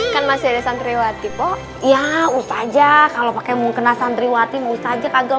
biasanya santriwati pok ya ustazah kalau pakai mungkena santriwati musaja kagak